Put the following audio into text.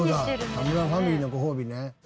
田村ファミリーのごほうびね。